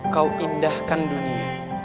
kau indahkan dunia